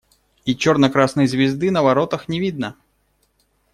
И черно-красной звезды на воротах не видно.